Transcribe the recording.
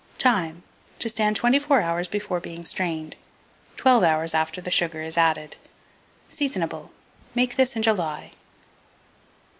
Time. To stand 24 hours before being strained; 12 hours after the sugar is added. Seasonable. Make this in July.